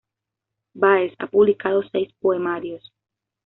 Báez ha publicado seis poemarios.